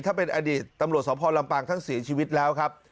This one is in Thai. ถ้าเป็นอดีตตำรวจสพลำปางท่านเสียชีวิตแล้วครับ